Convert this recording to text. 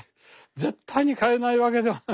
絶対に買えないわけではない。